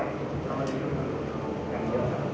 สวัสดีครับ